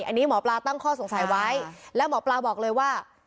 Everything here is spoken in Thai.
อันนี้หมอปลาตั้งข้อสงสัยไว้แล้วหมอปลาบอกเลยว่า